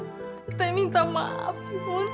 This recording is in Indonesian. teteh minta maaf yuyun